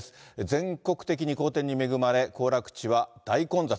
全国的に好天に恵まれ、行楽地は大混雑。